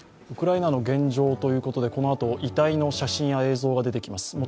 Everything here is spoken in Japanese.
ウクライナの現状ということで、このあと、遺体の写真や映像が出てきます。